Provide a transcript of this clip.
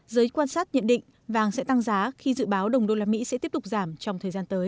giới quan sát nhận định vàng sẽ tăng giá khi dự báo đồng đô la mỹ sẽ tiếp tục giảm trong thời gian tới